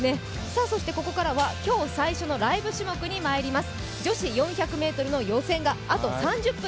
ここからは今日、最初のＬＩＶＥ種目にまいります。